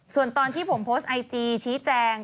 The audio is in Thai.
ส่วนตอนที่ผมโพสต์ไอจีชี้แจง